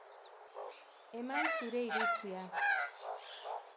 Eman zure iritzia.